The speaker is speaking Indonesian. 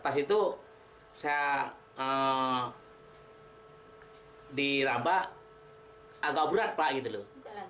tas itu di rabak agak berat pak gitu loh